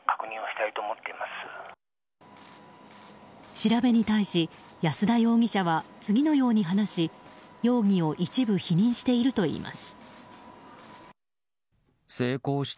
調べに対し安田容疑者は次のように話し容疑を一部否認しているといいます。